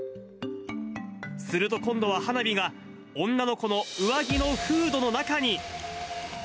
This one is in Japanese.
すると今度は、花火が女の子の上着のフードの中に。